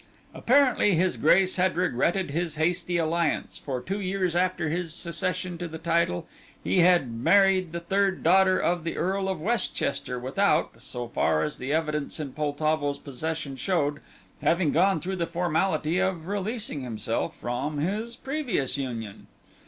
Apparently his grace had regretted his hasty alliance, for two years after his succession to the title, he had married the third daughter of the Earl of Westchester without so far as the evidence in Poltavo's possession showed having gone through the formality of releasing himself from his previous union.